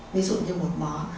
ví dụ như một bó